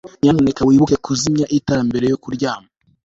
nyamuneka wibuke kuzimya itara mbere yo kuryama